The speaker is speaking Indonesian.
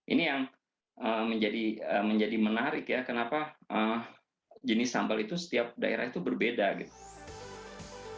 ini yang menjadi menarik ya kenapa jenis sambal itu setiap daerah itu berbeda gitu